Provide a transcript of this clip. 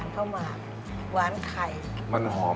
ถ้าหวานข้าวหมัก